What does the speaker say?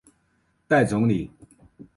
待整理